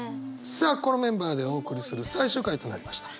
さあこのメンバーでお送りする最終回となりました。